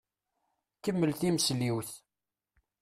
Kemmel timesliwt!